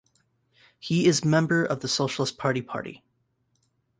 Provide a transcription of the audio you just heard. He is member of the Socialist Party party.